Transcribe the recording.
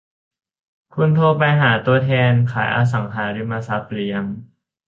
คุณโทรไปหาตัวแทนขายอสังหาริมทรัพย์หรือยัง